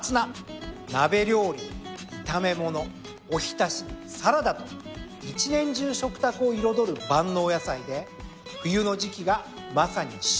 鍋料理炒め物おひたしサラダと一年中食卓を彩る万能野菜で冬の時季がまさに旬。